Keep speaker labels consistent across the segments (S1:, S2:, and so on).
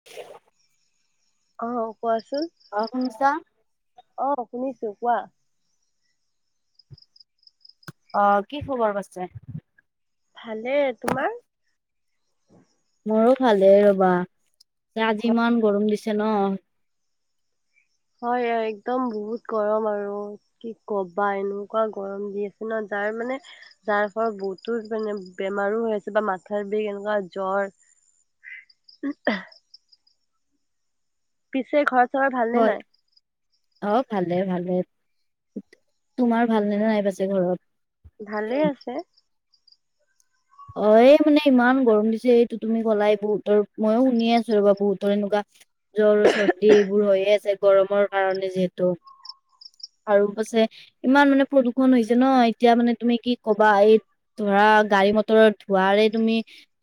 S1: [inaudible]
S2: অ কোৱাচোন
S1: অহ শুনিছা
S2: অ শুনিছো কোৱা
S1: অ কি খবৰ পাছে
S2: ভালে তোমাৰ
S1: মোৰো ভালেই ৰবা এ আজি ইমান গৰম দিছে ন
S2: হয় অয় একদম বহুত গৰম আৰু কি কবা এনেকুৱা গৰম দি আছে ন যাৰ মানে যাৰ ফলত বহুতো মানে বেমাৰো হৈ আছে, বা মাথাৰ বিষ এনেকুৱা জ্বৰ। [unintelligible] পিছে ঘৰ-চহৰ ভাল নে
S1: হয়
S2: নাই?
S1: অ', ভালে ভালে তোমাৰ ভাল নে নাই পাছে ঘৰত
S2: ভালে আছে।
S1: অ', এই মানে ইমান গৰম দিছে, এইটো তুমি ক বহুতৰ মইয়ো শুনি আছো ৰ'বা বহুতৰ এনেকুৱা। জ্বৰ, চৰ্দি এইবোৰ হৈয়ে আছে, গৰমৰ কাৰণে যিহেতু। আৰু পাছে ইমান মানে প্ৰদূষণ হৈছে ন, এতিয়া মানে তুমি কি কবা এই ধৰা গাড়ী-মটৰৰ ধোৱাৰে তুমি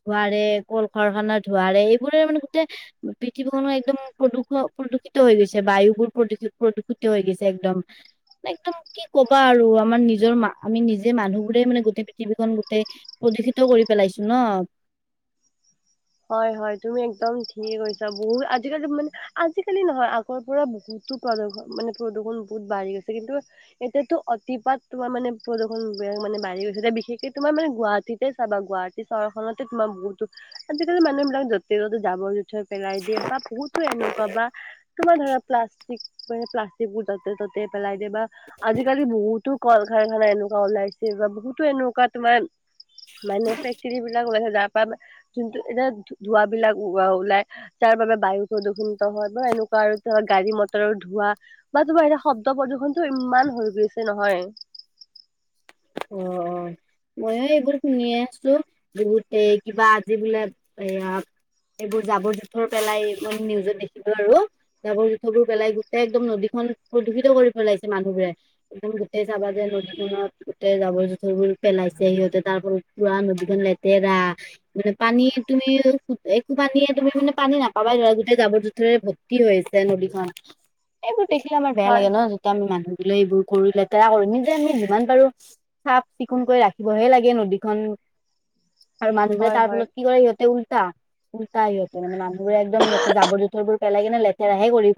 S1: ধোৱাঁৰে, কল-কাৰখানাৰ ধোৱাঁৰে, এইবোৰে মানে গোটে পৃথিৱীখনো একদম প্ৰদূষ প্ৰদূষিত হৈ গৈছে, বায়ুবোৰ প্ৰদূষিত প্ৰদূষিত হৈ গৈছে একদম। একদম। কি ক'বা আৰু, আমাৰ নিজৰ আমি নিজে, মানুহবোৰেই মানে গোটেই পৃথিৱীখন গোটেই প্ৰদূষিত কৰি পেলাইছো ন।
S2: হয়, হয়, তুমি একদম ঠিকে কৈছা, বহুত আজিকালি মানে আজিকালি নহয় পৰা বহুতো প্ৰদূষণ মানে প্ৰদূষণ বহুত বাঢ়ি গৈছে। কিন্তু এটোতো, অতিপাত তোমাৰ মানে প্ৰদূষণ, মানে বাঢ়ি গৈছে বিশেষকে তোমাৰ মানে গুৱাহাটীত চাবা, গুৱাহাটী চহৰখনতে তোমাৰ বহুতো আজিকালি মানুহ বিলাক, য'তে-ত'তে জাঁবৰ-জোথঁৰ পেলাই দিয়ে বা বহুতো এনেকুৱা বা। তোমাৰ ধৰা, প্লাষ্টিক মানে প্লাষ্টিক বোৰ য'তে-ত'তে, পেলাই দিয়ে, বা আজিকালি বহুতো কল কাৰখানা এনেকুৱা ওলাইছে, বা বহুতো এনেকুৱা তোমাৰ মানে, ফেক্টৰী বিলাক ওলাইছে যাৰ পৰা, যোনটো এতিয়া ধুৱাঁবিলাক ওলাই। তাৰ বাবে বায়ু প্ৰদূষণিত হয় বা এনেকুৱা আৰু ধৰ গাড়ী-মটৰৰ ধোৱা। বা তোমাৰ এতিয়া, শব্দ প্ৰদূ্ষনটো ইমান হৈ গৈছে নহয়।
S1: অ', অ'। ময়ো এইবোৰ শুনিয়ে আছো, বহুতে কিবা আজি বোলে এইয়া এইবোৰ জাবৰ-জোথৰ পেলাই, মানে নিউজত দেখিলো আৰু। জাবৰ-জোথবোৰ পেলাই, গোটেই একদম নদীখন প্ৰদূষিত কৰি পেলাইছে মানুহবোৰে। একদম গোটেই চাবা যে নদীখনত তে জাবৰ-জোথৰবোৰ পেলাইছে, সিহঁতে তাৰ ফলত পুৰা নদীখন লেতেৰা। মানে, পানী তুমি একো পানীয়ে তুমি মানে পানী নাপাবা, ধৰা গোটেই জাবৰ-জোথৰে ভৰ টি হৈছে আছে নদীখন। এইবোৰ দেখিলে আমাৰ বেয়া
S2: হয়
S1: লাগে ন, যেতিয়া আমি মানুহ দিলে এইবোৰ কৰি লেতেৰা কৰোঁ, নি যে আমি যিমান পাৰো চাফ-চিকুণকৈ ৰাখিবহে লাগে নদীখন। আৰু মানুবোৰে
S2: হয়
S1: তাৰ
S2: হয়
S1: ফলত কি কৰে, সিহঁতে উল্টা, উল্টা সিহঁতে মানে মানুহ বোৰে একদম, ইিহঁতে জাবৰ-জোথৰবোৰ পেলাই কিনে লেতেৰাহে কৰি,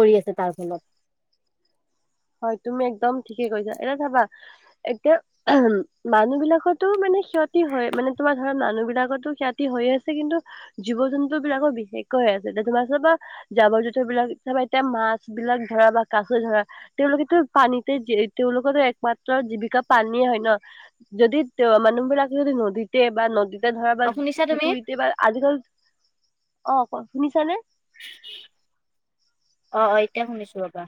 S1: কৰি আছে তাৰ ফলত।
S2: হয়, তুমি একদম ঠিকে কৈছা, এটা চাবা এতিয়া মানুহ বিলাকতো মানে ক্ষতি হয় মানে, তোমাৰ ধৰা মানুহ বিলাকতো ক্ষতি হৈয়ে আছে। কিন্তু জীৱ-জন্তু বিলাকৰ বিশেষকৈ হৈ আছে, এতিয়া তোমাৰ চাবা জাৱঁৰ-জোথঁৰ বিলাক এতিয়া, মাছ বিলাক ধৰা বা কাষো ধৰা। তেওঁলোকেতো পানীতে তেওঁলোকৰো, একমাত্ৰ জীৱিকা পানীয়ে হয় ন। যদি, তে মানুহ বিলাকে যদি নদীতে বা নদীত ধৰা বা
S1: অ শুনিছা তুমি
S2: পুখুৰীতে বা আজিকালি, অ', ক শুনিছানে
S1: অ', অ', এতিয়া শুনিছো ৰ'বা।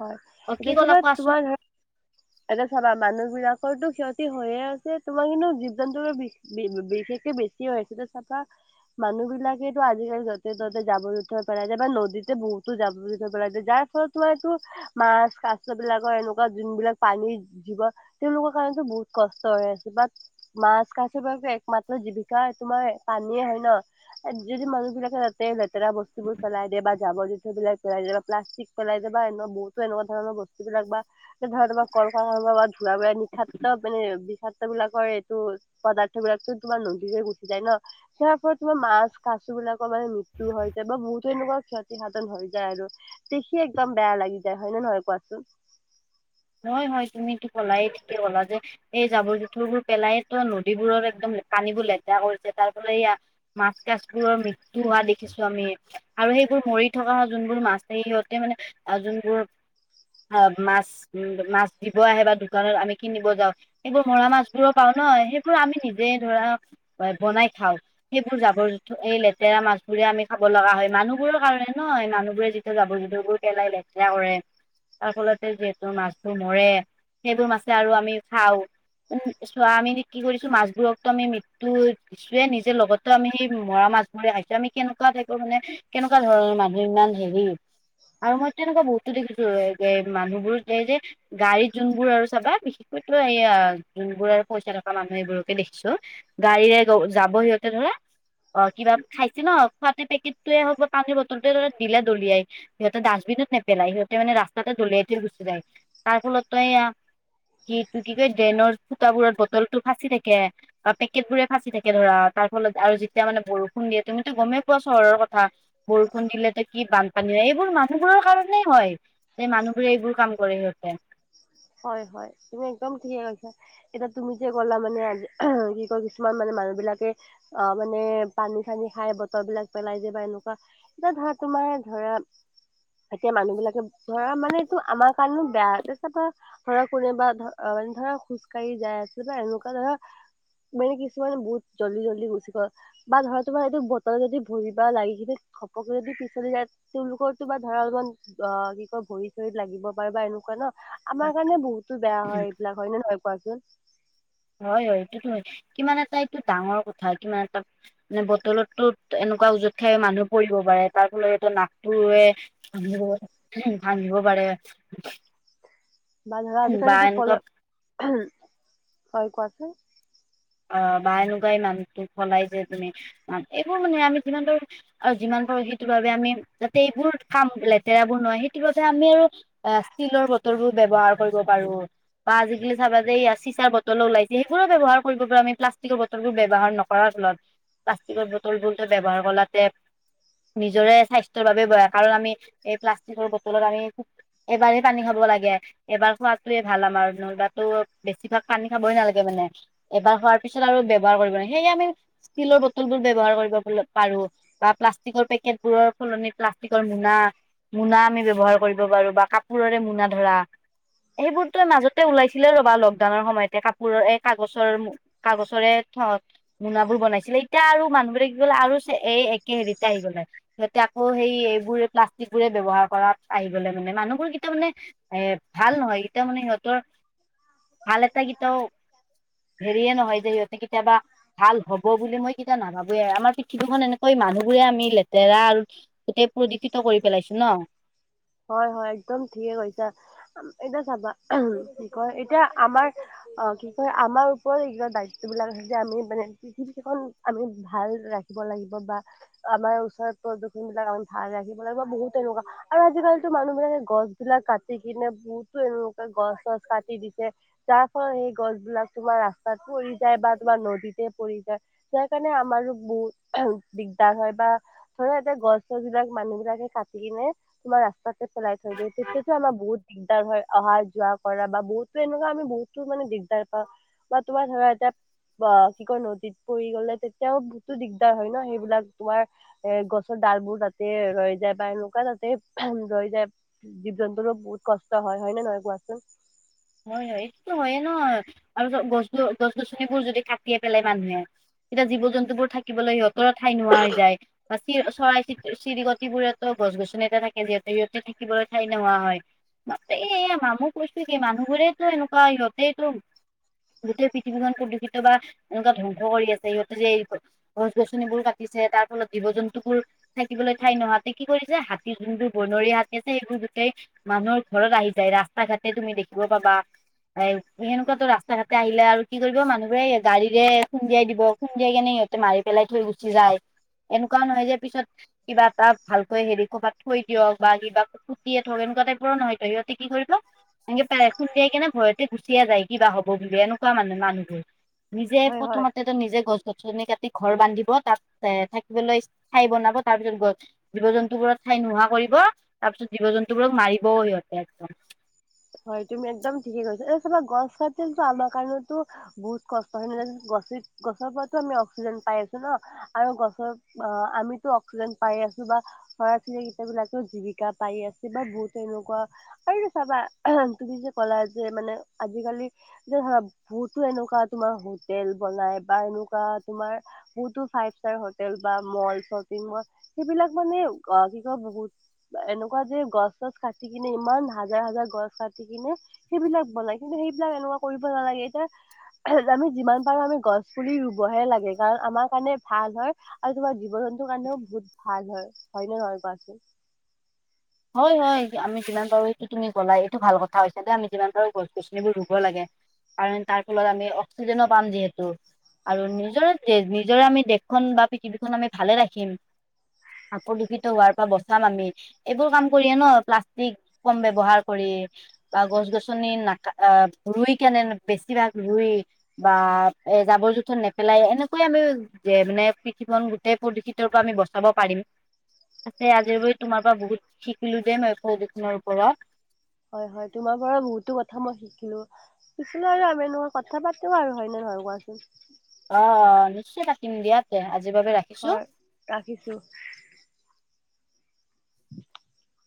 S2: হয়,
S1: অ কি
S2: এতিয়া
S1: ক'লা
S2: চাবা তোমাৰ ধৰা
S1: [inaudible]
S2: এতে চাবা মানুহ বিলাকৰো ক্ষতি হৈয়ে আছে তোমাৰ কিন্তু জীৱ জন্তু বি-বিশেষকে বেছি হৈ হৈছে ত চাফা মানুহ বিলাকেটো আজিকালি য'তে ত'তে যাবৰ যুঠৰ পেলাই যায় বা নদীতে বহুতো যাবৰ যুথৰ পেলাই যায় যাৰ ফলত তোমাৰ এইটো মাছ কাছ বিলাকৰ এনেকুৱা যোনবিলাক পানী জীৱ তেওঁলোকৰ কাৰণেতো বহুত কষ্ট হৈ আছে বাট মাছ কাছ বিলাকতো একমাত্ৰ জীৱিকা তোমাৰ পানীয়ে হয় ন'। যদি মানুহ বিলাকে তাতে লেতেৰা বস্তুবোৰ পেলাই দিয়ে বা জাবৰ জোঁথৰ বিলাক পেলাই দিয়ে বা প্লাষ্টিক পেলাইায় যাই বা এণ বহুতো এনেকুৱ ধৰণৰ বস্তু বিলাক বা ধৰা তোমাৰ কলকা খানা ধোৱা বোৰে নিষাক্ত মানে বিষাক্ত বিলাকৰ এইটো পদাৰ্থ বিলাকতো তোমাৰ নদী হৈ গুচি যায় ন'। [unintelligible] তোমাৰ মাছ কাছু বিলাকৰ মানে মৃত্যু হৈ যায় বা বহুতো এনেকুৱা ক্ষতি সাধন হৈ যায় আৰু। দেখি একদম বেয়া লাগি যায় হয় নে নহয় কোৱাচোন।
S1: হয় হয় তুমিটো ক'লাই ঠিকে ক'লা যে এই জাবঁৰ জোঁথৰবোৰ পেলাই তো নদীবোৰৰ একদম পানীবোৰ লেতেৰা কৰিছে তাৰফালে এইয়া মাছ কছবোৰৰ মৃত্যু হোৱা দেখিছো আমি। আৰু সেইবোৰ মৰি থকা যোনবোৰ মাছ সিহঁতে মানে যোনবোৰ অ' মাছ মাছ দিব আহে বা দোকানত আমি কিনিব যাওঁ সেইবোৰ মৰা মাছবোৰো পাওঁ ন সেইবোৰ আমি নিজে ধৰা বনাই খাওঁ। সেইবোৰ জাবৰ জোঁথৰ এই লেতেৰা মাছ বোৰে আমি খাব লগা হয় মানুহবোৰৰ কাৰণে নয় মানুহ বোৰে যেতিয়া জাবৰ জোঁথৰ বোৰ পেলাই লেতেৰা কৰে তাৰ ফলতে যিহ মাছবোৰ মৰে সেইবোৰ মাছে আৰু আমি খাওঁ। উম চোৱা আমি কি কৰিছোঁ মাছবোৰক তো আমি মৃত্যুত নিছে নিজে লগতো আমি মৰা মাছ ধৰি আহিছোঁ আমি কেনেকুৱা টাইপৰ মানে কেনেকুৱা ধৰণৰ মানুহ ইমান হেৰি আৰু মই এনেকুৱা বহুতো দেখিছো এই মানুহবোৰ এই যে গাড়ীত যোনবোৰ আৰু চাবা বিশেষকৈ এইয়া যোনবোৰ আৰু পইচা থকা মানুহ এইবোৰকে দেখিছোঁ। গাড়ীৰে যাব সিহঁতে ধৰা অ' কিবা খাইছে ন খোৱাতে পেকেটোৱে হ'ব পানীৰ বটলটোৱে ত দিলে দলিয়াই সিহঁতে ডাষ্টবিনত নপেলাই সিহঁতে মানে ৰাস্তাতে দলাই গুচি যায়। তাৰ ফলত তইয়া সটো কি কয় ড্ৰেনৰ ফুটাবোৰত বটল টো ফাঁচি থাকে পেকেট বোৰে ফাঁচি থাকে ধৰা তাৰ ফলত আৰু যেতিয়া মানে বৰষুণ দিয়ে তুমিতো গমেই পোৱা চহৰৰ কথা। বৰষুণ দিলে ত কি বানপানী হয় এইবোৰ মানুহবোৰৰ কাৰণেই হয় যে মানুহবোৰে এইবোৰ কাম কৰে সিহঁতে।
S2: হয় হয় তুমি একদম ঠিকে কৈছা। এতিয়া তুমি যে ক'লা মানে কি কয় কিছুমান মানে মানুহ বিলাকে অ' মানে পানী চানী খাই বটল বিলাক পেলাই যে বা এনেকুৱা কিবা ধৰা তোমাৰ ধৰা এতিয়া মানুহ বিলাকে ধৰা মানেটো আমাৰ কাৰণেও বেয়া তাৰ চাব ধৰা কোনোবা অ মানে ধৰা খোজকাঢ়ি যাই আছে বা এনেকুৱা ধৰা মানে কিছুমান বহুত জল্দি জল্দি গুচি গ'ল। বা ধৰা তোমাৰ এইটো বতল যদি ভৰি বা লাগি কিনে ঘপকে যদি পিচলি যায় তেওঁলোকৰ কিবা ধৰা অলপমান অ কি কয় ভৰিত চৰিত লাগিব পাৰে বা এনেকুৱা ন আমাৰ কাৰণে বহুতো বেয়া হয় এইবিলাক হয় নে নহয় কোৱাচোন?
S1: হয় হয় এইটোতো হয় কিমান এটা এইটো ডাঙৰ কথা কিমান এটা মানে বটলটো এনেকুৱা ওজত খাই মানুহ পৰিব পাৰে তাৰ ফলত এইটো নাকটোৱে [unintelligible] আনিব পাৰে।
S2: বা ধৰা
S1: বা
S2: আজিকালিতো
S1: এনেকুৱা
S2: [unintelligible] হয় কোৱা চোন।
S1: অ বা এনেকুৱাই মানুহটোক সলাই যে তুমি এইবোৰ মানে আমি যিমান দূৰ আৰু যিমান পাৰোঁ সেইটোৰ বাবে আমি যাতে এইবোৰ কাম লেতেৰাবোৰ নহয় সেইটোৰ বাবে আমি আৰু এ ষ্টিলৰ বতৰবোৰ ব্যৱহাৰ কৰিব পাৰো, বা আজিকালি চাবা যে এয়া চিচাৰ বটল উলিয়াইছে সেইবোৰো ব্যৱহাৰ কৰিব পৰা আমি প্লাষ্টিকৰ বটলবোৰ ব্যৱহাৰ নকৰাৰ ফলত প্লাষ্টিকৰ বটলবোৰটো ব্যৱহাৰ [unintelligible] নিজৰে স্বাস্থ্যৰ বাবে বেয়া কাৰণ আমি এই প্লাষ্টিকৰ বটলত আমি খুব এইবাৰেই পানী খাব লাগে এবাৰ খোৱাতোৱে ভাল আমাৰ নৰবাটো বেছিভাগ পানী খাবই নালাগে মানে। এবাৰ খোৱাৰ পিছত আৰু ব্যৱহাৰ কৰিব নালাগে। সেয়ে আমি ষ্টিলৰ বটল বোৰ ব্যৱহাৰ কৰিব পাৰো। বা প্লাষ্টিকৰ পেকেট বোৰৰ সলনি প্লাষ্টিকৰ মোনা মুনা আমি ব্যৱহাৰ কৰিব পাৰো বা কাপোৰৰে মুনা ধৰা সেইবোৰ তো মাজতে ওলাইছিলে ৰ'বা লকডাউনৰ সময়তে কাপোৰৰ এই কাগজ [unintelligible] কাগজৰে [unintelligible] মোনাবোৰ বনাইছিলে। এতিয়া আৰু মানুহবোৰে কি হ'ল আৰু এ একে হেৰিতে আহি গ'লে। সিহঁতে আকৌ সেই এইবোৰে প্লাষ্টিক বোৰে ব্যৱহাৰ কৰাত আহি গ'লে মানে। মানুহবোৰ কেতিয়াও মানে এ ভাল নহয়। ইটা মানে সিহঁতৰ ভাল এটা কেইটাও হেৰিয়ে নহয় যে সিহঁতে কেতিয়াবা ভাল হ'ব বুলি মই কেতিয়াও নাভাবোয়ে। আমাৰ পৃথিৱীখন এনেকৈ মানুহবোৰে আমি লেতেৰা আৰু গোটেই প্ৰদূক্ষিত কৰি পেলাইছো ন?
S2: হয় হয় একদম ঠিকে কৈছা, এতিয়া চাবা কি কয় এতিয়া আমাৰ অ কি কয় আমাৰ ওপৰত এই দায়িত্ব বিলাক আছে যে আমি মানে পৃথিৱীখন আমি ভাল ৰাখিব লাগিব বা আমাৰ ওচৰৰত প্ৰদূষন বিলাক আমি ভাল ৰাখিব লাগিব বহুত তেনেকুৱা আৰু আজিকালিতো মানুহ বিলাকে গছ বিলাক কাটি কিনে বহুতো এনেকুৱা গছ-চছ কাটি দিছে যাৰ ফলত সেই গছবলাক তোমাৰ ৰাস্তাত পৰি যায় বা তোমাৰ নদীতে পৰি যায় যাৰ কাৰণে আমাৰো বহুত দিগদাৰ হয় বা [unintelligible] গছ-চছ বিলাক মানুহ বিলাকে কাটি কিনে তোমাৰ ৰাস্তাতে পেলাই থৈ দিয়ে তেতিয়াটো আমাৰ বহুত দিগদাৰ হয় অহা যোৱা কৰা বা বহুতো এনেকুৱা আমি বহুতো মানে দিগদাৰ পাওঁ। বা তোমাৰ ধৰা এতিয়া বা কি কয় নদীত পৰি গ'লে তেতিয়াও বহুতো দিগদাৰ হয় ন সেইবিলাক তোমাৰ এ গছৰ ডালবোৰ তাতে ৰৈ যায় বা এনেকুৱা তাতে ৰৈ যায় জীৱ জন্তুৰো বহুত কষ্ট হয় নে নহয় কোৱাচোন?
S1: হয় হয় এইটোতো হয়য়ে ন আৰু গছটো গছ গছনিবোৰ যদি কাটিয়ে পেলাই মানুহে তেতিয়া জীৱ জন্তুবোৰ থাকিবলৈ সিহঁতৰ ঠাই নোহোৱা হৈ যায় [unintelligible] চৰাই চি-চিৰিকটিবোৰেতো গছ-গছনি থাকে যিহেতু সিহঁতে থাকিবলৈ ঠাই নোহোৱা হয়। মা এই এই [unintelligible] কৈছে কি মানুহবোৰেতো এনেকুৱা সিহঁতেইতো গোটেই পৃথিৱীখন প্ৰদূষিত বা এনেকুৱা ধ্বংস কৰি আছে সিহঁতে যে এই গছ-গছনিবোৰ কাটিছে তাৰ ফলত জীৱ-জন্তুবোৰ থাকিবলৈ ঠাই নহাতে কি কৰিছে? হাতী যোনবোৰ বনৰীয়া হাতী আছে সেইবোৰ গোতেই মানুহৰ ঘৰত আহি যায়, ৰাস্তা ঘাটে তুমি দেখিব পাবা। হাই, সেনেকুৱাতো ৰাস্তা ঘাটে আহিলে আৰু কি কৰিব মানুহবোৰে গাড়ীৰে খুন্দিয়াই দিব। খুন্দিয়াই কেনে সিহঁতে মাৰি পেলাই থৈ গুচি যায়। এনেকুৱা নহয় যে পিছত কিবা এটাত ভালকৈ হেৰি ক'ৰবাত থৈ দিয়ক, বা কিবা পুটিয়ে থওক, এনেকুৱা টাইপৰ নহয় তো, ইহঁতে কি কৰিব এনেকাই, খুন্দিয়াই কেনে ভয়তে গুচিয়ে যায় কিবা হ'ব বুলি, এনেকুৱা মানে মানুহবোৰ। নিজে
S2: হয় হয়
S1: প্ৰথমতে তে নিজে গছ গছনি কাটি ঘৰ বান্ধিব, তাত এ থাকিবলৈ ঠাই বনাব, তাৰ পিছত গছ জীৱ জন্তুবোৰক ঠাই নোহোৱা কৰিব, তাৰপিছত জীৱ জন্তুবোৰক মাৰিবও সিহঁতে একদম।
S2: হয়, তুমি একদম ঠিকে কৈছা, এই চবে গছ কাটিলেতো আমাৰ কাৰণেতো বহুত কষ্ট হয় [unintelligible] গছে গছৰপাতো আমি অক্সিজেন পাই আছো ন? আৰু গছৰ অ আমিতো অক্সিজেন পাই আছো বা চৰাই [unintelligible] জীৱিকা পাই আছে বা বহুত এনেকুৱা আৰু চাবা অ', তুমি যে ক'লা যে মানে আজিকালি যে ধৰা বহুতো এনেকুৱা তোমাৰ হোটেল বনাই বা এনেকুৱা তোমাৰ বহুতো ফাইভ ষ্টাৰ হোটেল বা মল, শ্বপিং মল, সেইবিলাক মানে অ কি কয় বহুত এনেকুৱা যে গছ চছ কাটি কিনে ইমান হাজাৰ হাজাৰ গছ কাটি কিনে সেইবিলাক বনায়, কিন্তু সেইবিলাক এনেকুৱা কৰিব নালাগে এতিয়া আমি যিমান পাৰো আমি গছ পুলি ৰুবহে লাগে, কাৰণ আমাৰ কাৰণে ভাল হয় আৰু তোমাৰ জীৱ জন্তুৰ কাৰণেও বহুত ভাল হয়, হয় নে নহয় কোৱাচোন।
S1: হয়, হয়, আমি যিমান পাৰো কি তুমি কলাই, এইটো ভাল কথা হৈছে দে, আমি যিমান পাৰো গছ গছনিবোৰ ৰুব লাগে। কাৰণ তাৰ ফলত আমি অক্সিজেনো পাম যিহেতু! আৰু নিজৰ, নিজৰ আমি দেশখন বা পৃথিৱীখন আমি ভালে ৰাখিম। আকৌ দুষিত হোৱাৰ পৰা বচাম আমি। এইবোৰ কাম কৰিয়ে ন, প্লাষ্টিক কম ব্যৱহাৰ কৰি বা গছ গছনি নাকা আ ৰুই কেনে, বেছিভাগ ৰুই বা, এ জাবৰ জোথৰ নেপেলাই এনেকৈয়ে আমি যে মানে পৃথিৱীখন গোটেই প্ৰদূষিতৰ পৰা আমি বচাব পাৰিম তাকে আজি [unintelligible] তোমাৰ পৰা বহুত শিকিলো দেই মই প্ৰদূষণৰ ওপৰত।
S2: হয়, হয়, তোমাৰ পৰাও বহুতো কথা মই শিকিলোঁ। কিছুমান আমি এনেও কথা পাতো আৰু হয়নে নহয় কোৱাচোন
S1: অ', নিশ্চয় পাতিম দিয়া তে, আজিৰ বাবে ৰাখ
S2: হয়, ৰাখিছো। [inaudible]